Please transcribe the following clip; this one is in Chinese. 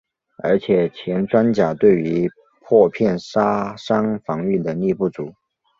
而且前装甲对于破片杀伤防御能力不足。